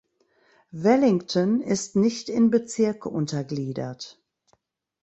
Wellington ist nicht in Bezirke untergliedert.